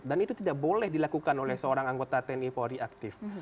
dan itu tidak boleh dilakukan oleh seorang anggota tni polri aktif